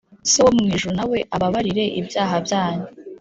So wo mu ijuru na we abababarire ibyaha byanyu